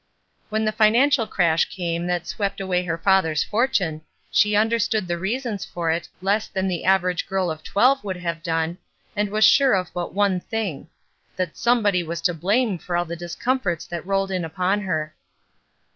When the financial crash came that swept away her father's fortune, she understood the reasons for it less than the average girl of twelve would have done, and was sure of but one thing, — that somebody was to blame for all the discomforts that rolled in upon her.